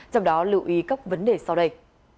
trong đó lưu ý các vấn đề sau đây